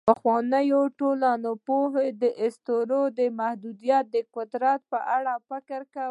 پخواني ټولنپوهان د اسطورو د محدود قدرت په اړه فکر کاوه.